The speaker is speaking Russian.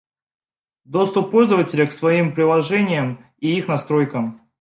Доступ пользователя к своим приложениями и их настройкам